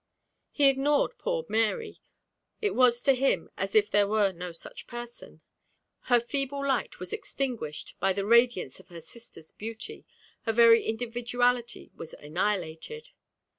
He ignored poor Mary. It was to him as if there were no such person. Her feeble light was extinguished by the radiance of her sister's beauty; her very individuality was annihilated.